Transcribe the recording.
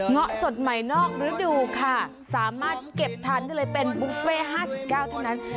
ะสดใหม่นอกฤดูค่ะสามารถเก็บทานได้เลยเป็นบุฟเฟ่๕๙เท่านั้น